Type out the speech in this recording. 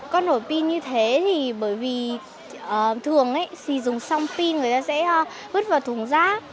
con đổi pin như thế thì bởi vì thường thì dùng xong pin người ta sẽ hứt vào thùng rác